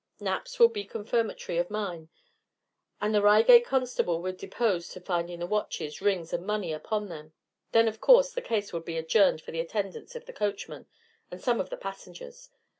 Knapp's will be confirmatory of mine, and the Reigate constable will depose to finding the watches, rings, and money upon them; then, of course, the case will be adjourned for the attendance of the coachman and some of the passengers.